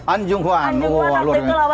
an jung hwan waktu itu lawan italia